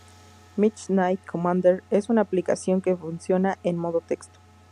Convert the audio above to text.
Midnight Commander es una aplicación que funciona en modo texto.